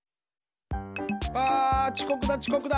あちこくだちこくだ！